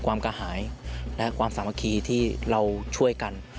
กระหายและความสามัคคีที่เราช่วยกัน